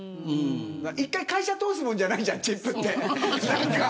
一回、会社通すものじゃないじゃん、チップって。